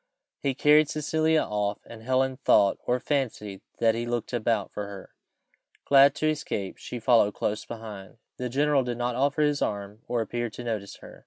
He carried Cecilia off, and Helen thought, or fancied, that he looked about for her. Glad to escape, she followed close behind. The general did not offer his arm or appear to notice her.